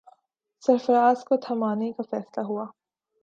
سرفراز کو تھمانے کا فیصلہ ہوا۔